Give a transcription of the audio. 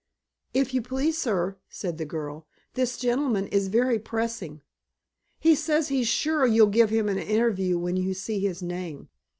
"If you please, sir," said the girl, "this gentleman is very pressing. He says he's sure you'll give him an interview when you see his name."